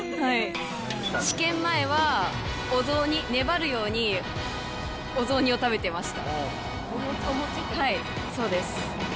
試験前は、お雑煮、粘るように、お雑煮を食べてました。